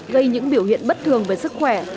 gây những biểu hiện bất thường về sức khỏe